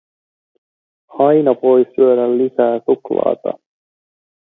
Aina voi syödä lisää suklaata.